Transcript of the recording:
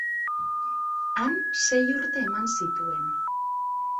Han sei urte eman zituen.